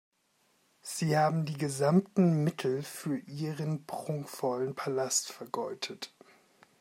Sie haben die gesamten Mittel für Ihren prunkvollen Palast vergeudet.